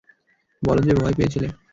বলো যে, ভয় পেয়েছিলে।